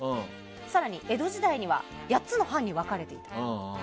更に江戸時代には８つの藩に分かれていた。